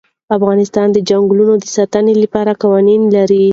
افغانستان د چنګلونه د ساتنې لپاره قوانین لري.